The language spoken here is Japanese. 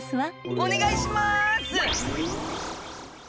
お願いします。